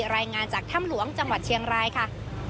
รายงานจากถ้ำหลวงจังหวัดเชียงรายค่ะ